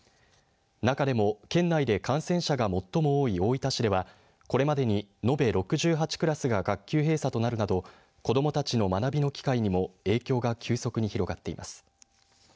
中でも、県内で感染者が最も多い大分市ではこれまでに、延べ６８クラスが学級閉鎖となるなど子どもたちの学びの機会にも影響が急速に広がっています。